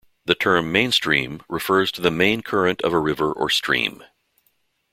The term "mainstream" refers to the main current of a river or stream.